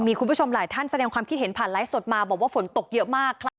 มีคุณผู้ชมหลายท่านแสดงความคิดเห็นผ่านไลฟ์สดมาบอกว่าฝนตกเยอะมาก